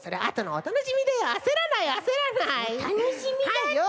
おたのしみだって。